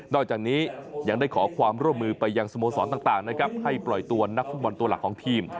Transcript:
อกจากนี้ยังได้ขอความร่วมมือไปยังสโมสรต่างนะครับให้ปล่อยตัวนักฟุตบอลตัวหลักของทีม